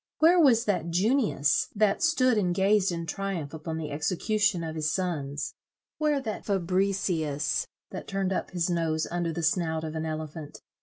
Where was that Junius, that stood and gazed in triumph upon the execution of his sons? Where that Fabricius, that turned up his nose under the snout of an elephant?